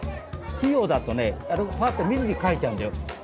器用だとねパッと見ずに描いちゃうんだよ。